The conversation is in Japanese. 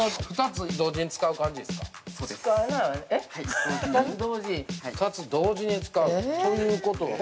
◆２つ同時に使う？ということは◆